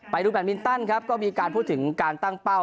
ไปดูแดดมินตันครับก็มีการพูดถึงการตั้งเป้า